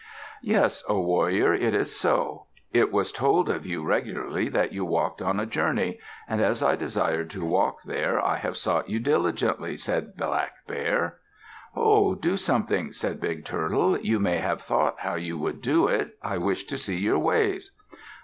"Yes, O warrior, it is so. It was told of you regularly that you walked on a journey. And as I desired to walk there, I have sought you diligently," said Black Bear. "Ho! Do something," said Big Turtle. "You may have thought how you would do it. I wish to see your ways."